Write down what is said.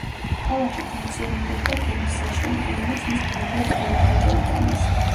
ქალაქში ფუნქციონირებდა გემთსაშენი, რომელიც მის ფარგლებს გარეთ გადაიტანეს.